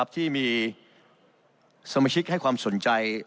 ที่มีสมาชิกให้ความสนใจ